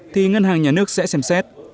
thì ngân hàng nhà nước sẽ xem xét